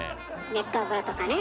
熱湯風呂とかね。